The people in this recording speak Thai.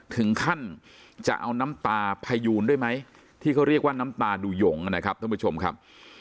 ถึงขั้นจะเอาน้ำตาพยูนด้วยไหมที่เขาเรียกว่าน้ำตาดูหยงนะครับท่านผู้ชมครับ